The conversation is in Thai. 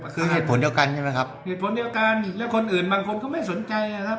คือเหตุผลเดียวกันใช่ไหมครับเหตุผลเดียวกันและคนอื่นบางคนก็ไม่สนใจนะครับ